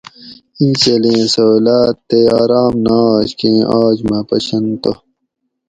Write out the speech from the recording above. اینچھلیں سہولاۤت تے آرام نہ آش کیں آج مۤہ پشن تہ